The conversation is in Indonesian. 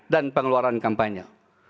dan pengeluaran kampanye